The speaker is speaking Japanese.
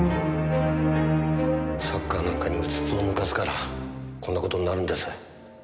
サッカーなんかにうつつを抜かすからこんな事になるんです。